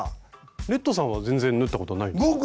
レッドさんは全然縫ったことないんですか？